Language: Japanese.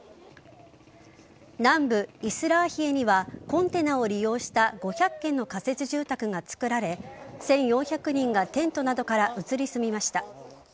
南部・イスラーヒエにはコンテナを利用した５００軒の仮設住宅が作られ１４００人がテントなどから移り住みました。